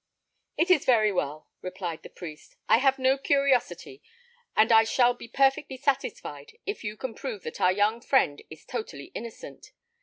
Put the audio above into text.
"It is very well," replied the priest. "I have no curiosity; and I shall be perfectly satisfied if you can prove that our young friend is totally innocent.